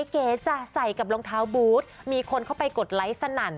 เก๋จ้ะใส่กับรองเท้าบูธมีคนเข้าไปกดไลค์สนั่น